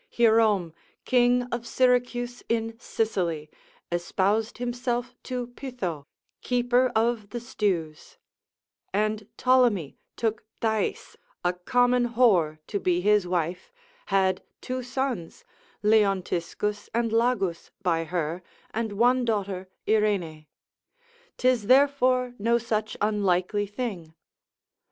Hierome, king of Syracuse in Sicily, espoused himself to Pitho, keeper of the stews; and Ptolemy took Thais a common whore to be his wife, had two sons, Leontiscus and Lagus by her, and one daughter Irene: 'tis therefore no such unlikely thing.